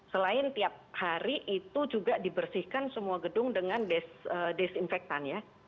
selain tiap hari itu juga dibersihkan semua gedung dengan disinfektan ya